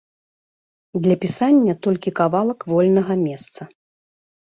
Для пісання толькі кавалак вольнага месца.